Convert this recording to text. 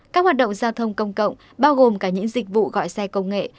các hoạt động giao thông công cộng bao gồm cả những dịch vụ gọi xe công nghệ